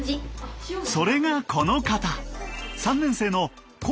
それがこの方。